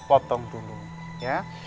potong dulu ya